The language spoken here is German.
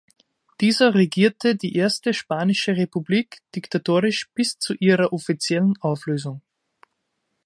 Dieser regierte die Erste Spanische Republik diktatorisch bis zu ihrer offiziellen Auflösung.